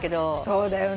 そうだよね。